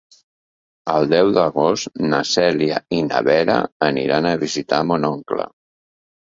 El deu d'agost na Cèlia i na Vera aniran a visitar mon oncle.